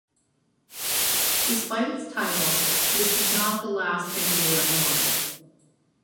Despite its title, this is not the last Fandorin novel.